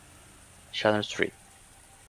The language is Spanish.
Chanel St.